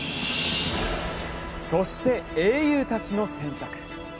そして、「英雄たちの選択」。